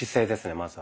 まずは。